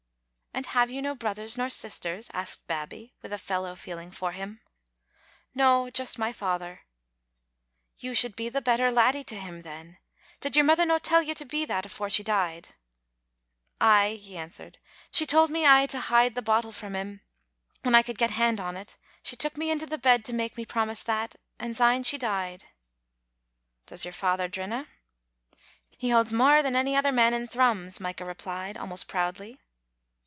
" And have you no brothers nor sisters?" asked Bab bie, with a fellow feeling for him. " No, juist my father, " he said. " You should be the better laddie to him then. Did your mither no tell you to be that afore she died?" "Ay," he answered, "she telled me ay to hide the bottle frae him when I could get haed o't. She took me into the bed to make me promise that, and sjme she died. "" Does your father drina?" "He bauds mair than ony other man in Thrums," Micah replied, almost proudly.